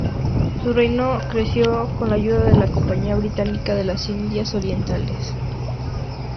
Su reino creció con la ayuda de la Compañía Británica de las Indias Orientales.